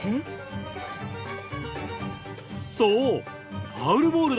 そう！